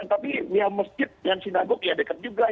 tapi masjid dan sinagog ya dekat juga